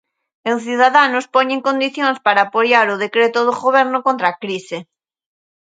En Ciudadanos poñen condicións para apoiar o decreto do goberno contra a crise.